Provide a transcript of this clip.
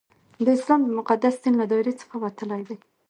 د اسلام د مقدس دین له دایرې څخه وتل دي.